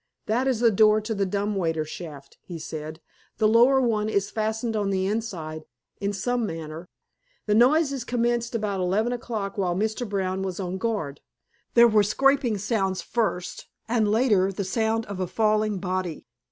"That is the door to the dumb waiter shaft," he said. "The lower one is fastened on the inside, in some manner. The noises commenced about eleven o'clock, while Mr. Brown was on guard. There were scraping sounds first, and later the sound of a falling body.